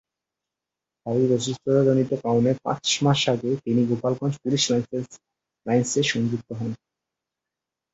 শারীরিক অসুস্থতাজনিত কারণে পাঁচ মাস আগে তিনি গোপালগঞ্জ পুলিশ লাইনসে সংযুক্ত হন।